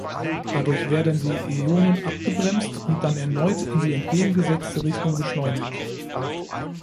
Dadurch werden die Ionen abgebremst und dann erneut in die entgegengesetzte Richtung beschleunigt.